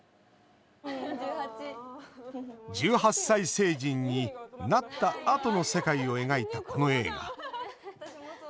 １８歳成人になったあとの世界を描いた、この映画。